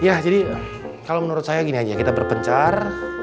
ya jadi kalau menurut saya gini aja kita berpencar